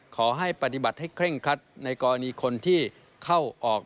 ขอให้ปฏิบัติให้เคร่งครัดในกรณีคนที่เข้าออก